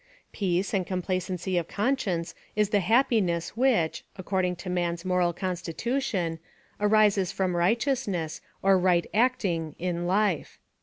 Peace and complacency of conscience is the happiness which, according to man's moral constitution, arises from righteousness, or right act mg, in life.